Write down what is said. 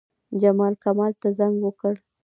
جمال، کمال ته زنګ وکړ.